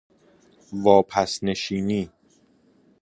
واپس نشینی